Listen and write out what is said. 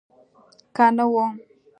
که نه وه.